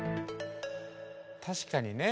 確かにね。